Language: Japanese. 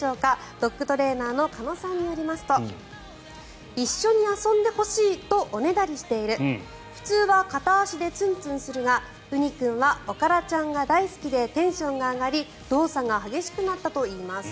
ドッグトレーナーの鹿野さんによりますと一緒に遊んでほしいとおねだりしている普通は片足でツンツンするがうに君はおからちゃんが大好きでテンションが上がり動作が激しくなったといいます。